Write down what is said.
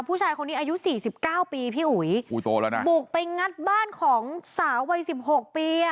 ผู้ชายคนนี้อายุสี่สิบเก้าปีพี่อุ๋ยอุ้ยโตแล้วนะบุกไปงัดบ้านของสาววัยสิบหกปีอ่ะ